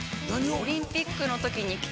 オリンピックの時に着た。